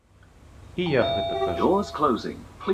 І я гэта кажу.